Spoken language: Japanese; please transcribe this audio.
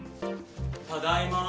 ただいまー。